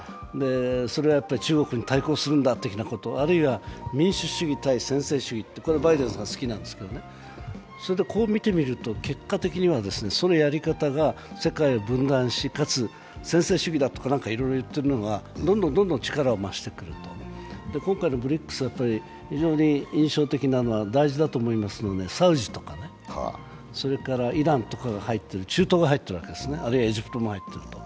それは中国に対抗するんだということ、あるいは民主主義対専制主義、これ、バイデンさん、好きなんですけど、こう見てみると結果的には、そのやり方が世界を分断し、かつ、専制主義だとかいろいろいっているのが、どんどん力を増していくと、今回のＢＲＩＣＳが非常に印象的なのは大事だと思いますけど、サウジや、それからイランとかが入って中東が入ってるわけですね、あるいはエジプトも入ってる。